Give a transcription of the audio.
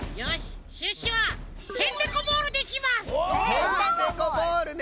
ヘンテコボールね！